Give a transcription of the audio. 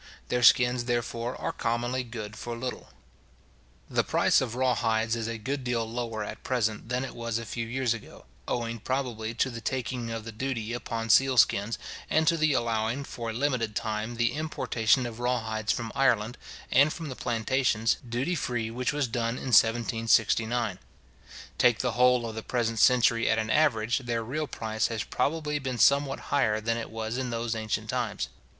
Their skins, therefore, are commonly good for little. The price of raw hides is a good deal lower at present than it was a few years ago; owing probably to the taking off the duty upon seal skins, and to the allowing, for a limited time, the importation of raw hides from Ireland, and from the plantations, duty free, which was done in 1769. Take the whole of the present century at an average, their real price has probably been somewhat higher than it was in those ancient times.